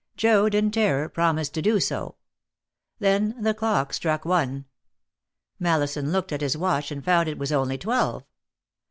Joad, in terror, promised to do so. Then the clock struck one. Mallison looked at his watch and found it was only twelve.